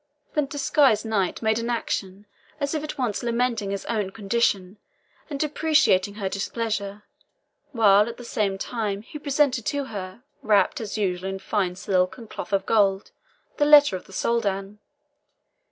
The disguised knight made an action as if at once lamenting his own condition and deprecating her displeasure, while at the same time he presented to her, wrapped, as usual, in fine silk and cloth of gold, the letter of the Soldan.